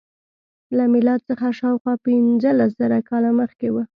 له میلاد څخه شاوخوا پنځلس زره کاله مخکې و.